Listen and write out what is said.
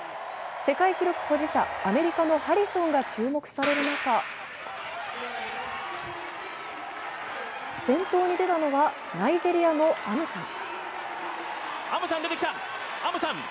世界記録保持者、アメリカのハリソンが注目される中先頭に出たのはナイジェリアのアムサン。